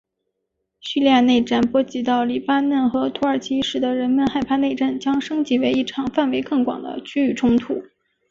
叙利亚内战波及到黎巴嫩和土耳其使得人们害怕内战将升级为一场范围更广的区域冲突。